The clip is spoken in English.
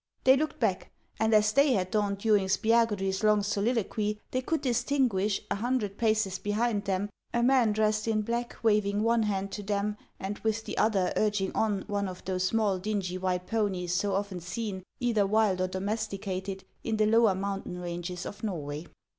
They looked back, and, as day had dawned during Spia gudry's long soliloquy, they could distinguish, a hundred paces behind them, a man dressed in black waving one hand to them, and with the other urging on one of those small dingy wrhite ponies so often seen, either wild or do mesticated, in the lower mountain ranges of Norway.